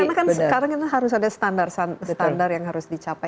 karena kan sekarang harus ada standar standar yang harus dicapai